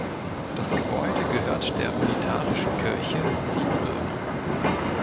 Das Gebäude gehört der Unitarischen Kirche Siebenbürgen.